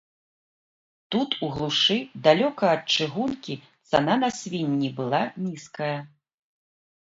Тут у глушы, далёка ад чыгункі, цана на свінні была нізкая.